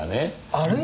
あれ？